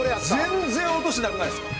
全然音しなくないですか？